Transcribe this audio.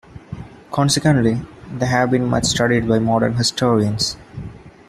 Consequently, they have been much studied by modern historians.